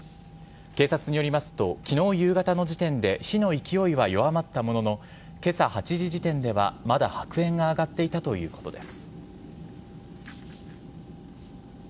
警察によりますと、きのう夕方の時点で火の勢いは弱まったものの、けさ８時時点ではまだ白煙が上がっていたということです。